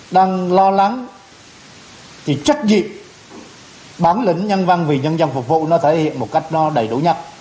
đang lo lắng thì trách nhiệm bản lĩnh nhân văn vì nhân dân phục vụ nó thể hiện một cách nó đầy đủ nhất